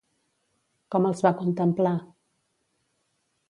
Com els va contemplar?